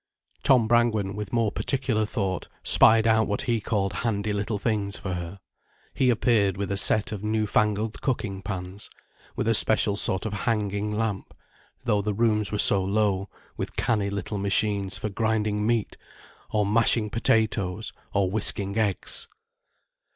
Tom Brangwen, with more particular thought, spied out what he called handy little things for her. He appeared with a set of new fangled cooking pans, with a special sort of hanging lamp, though the rooms were so low, with canny little machines for grinding meat or mashing potatoes or whisking eggs.